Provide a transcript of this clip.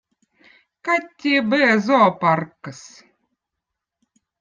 katti eb õõ zooparkkõz